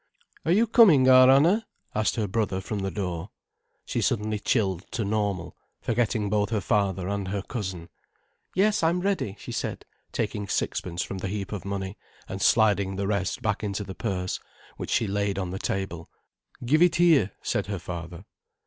"Are you coming, our Anna?" asked her brother from the door. She suddenly chilled to normal, forgetting both her father and her cousin. "Yes, I'm ready," she said, taking sixpence from the heap of money and sliding the rest back into the purse, which she laid on the table. "Give it here," said her father.